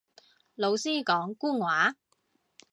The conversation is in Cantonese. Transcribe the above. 老師講官話